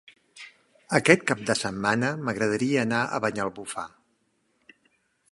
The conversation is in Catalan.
Aquest cap de setmana m'agradaria anar a Banyalbufar.